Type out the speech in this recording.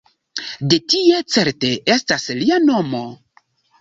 De tie certe estas lia nomo.